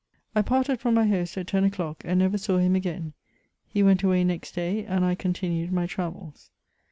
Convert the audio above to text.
I parted from my host at ten o'clock, and never saw him again ; he went away next day, and I continued my travels.